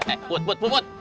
eh put put put